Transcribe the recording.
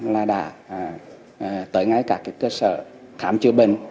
là đã tới ngay các cơ sở khám chữa bệnh